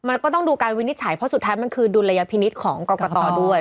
มันก็ต้องดูการวินิจฉัยเพราะสุดท้ายมันคือดุลยพินิษฐ์ของกรกตด้วย